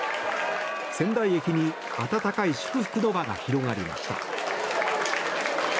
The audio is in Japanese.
仙台駅に温かい祝福の輪が広がりました。